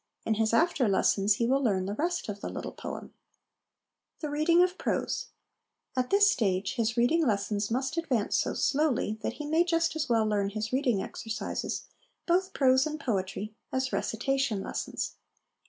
In his after lessons he will learn the rest of the little poem. The Reading of Prose. At this stage, his reading lessons must advance so slowly that he may just as well learn his reading exercises, both prose and LESSONS AS INSTRUMENTS OF EDUCATION 205 poetry, as recitation lessons.